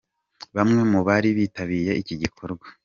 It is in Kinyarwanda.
Bamwe mu bari bitabiye iki gikorwa.